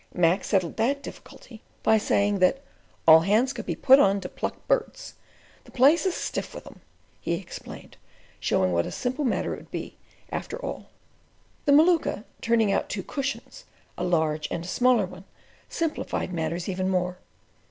Mac settled that difficulty by saying that "all hands could be put on to pluck birds. The place is stiff with 'em," he explained, showing what a simple matter it would be, after all. The Maluka turning out two cushions, a large and a smaller one, simplified matters even more.